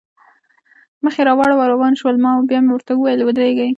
مخ یې واړاوه او روان شول، بیا مې ورته وویل: ودرېږئ.